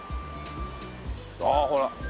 ああほら。